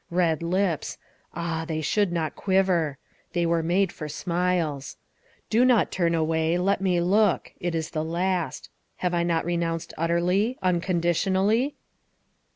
Red lips ah, they should not quiver; they were made for smiles. Do not turn away, let me look. It is the last. Have I not re nounced utterly unconditionally